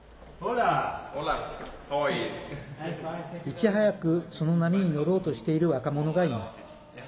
いち早くその波に乗ろうとしている若者がいます。